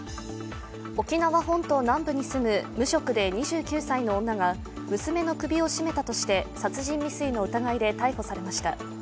沖縄本島南部に住む無職で２９歳の女が娘の首を絞めたとして殺人未遂の疑いで逮捕されました。